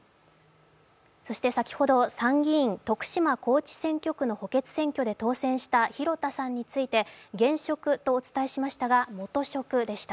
そして先ほど、参議院徳島補欠選挙区で当選した広田さんについて現職とお伝えしましたが元職でした。